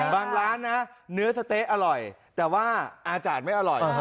ร้านนะเนื้อสะเต๊ะอร่อยแต่ว่าอาจารย์ไม่อร่อย